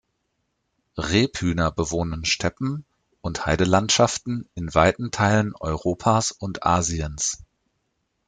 Rebhühner bewohnen Steppen- und Heidelandschaften in weiten Teilen Europas und Asiens.